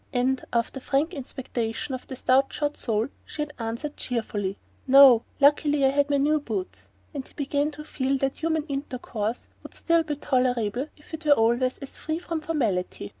and, after frank inspection of a stout shod sole, she had answered cheerfully: "No luckily I had on my new boots," he began to feel that human intercourse would still be tolerable if it were always as free from formality.